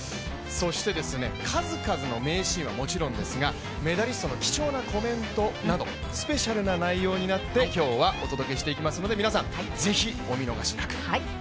そして数々の名シーンはもちろんですがメダリストの貴重なコメントなどスペシャルな内容になって今日は、お届けしていきますので皆さん、ぜひお見逃しなく。